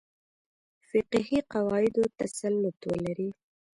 فقهي قواعدو تسلط ولري.